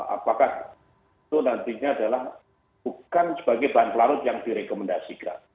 apakah itu nantinya adalah bukan sebagai bahan pelarut yang direkomendasikan